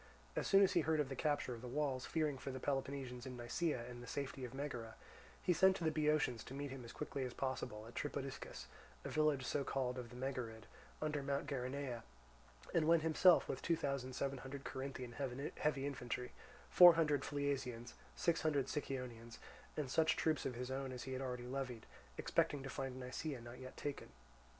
As soon as he heard of the capture of the walls, fearing for the Peloponnesians in Nisaea and the safety of Megara, he sent to the Boeotians to meet him as quickly as possible at Tripodiscus, a village so called of the Megarid, under Mount Geraneia, and went himself, with two thousand seven hundred Corinthian heavy infantry, four hundred Phliasians, six hundred Sicyonians, and such troops of his own as he had already levied, expecting to find Nisaea not yet taken.